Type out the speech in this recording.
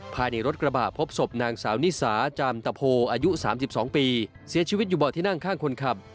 ภายในรถกระบะพบศพนางสาวนิสาจามตะโพอายุ๓๒ปีเสียชีวิตอยู่บ่อที่นั่งข้างคนขับ